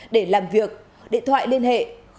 để làm việc điện thoại liên hệ